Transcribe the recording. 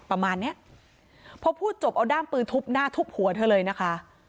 ประมาณเนี้ยพอพูดจบเอาด้ามปืนทุบหน้าทุบหัวเธอเลยนะคะ